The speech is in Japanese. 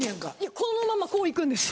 このままこう行くんですよ。